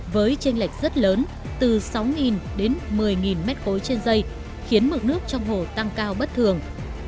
với tranh lệch rất lớn từ sáu đến một mươi m ba trên dây khiến mực nước trong hồ tăng cao bất thường